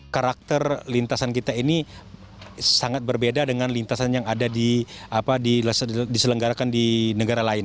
karakter lintasan kita ini sangat berbeda dengan lintasan yang ada di selenggarakan di negara lain